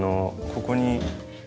ここに。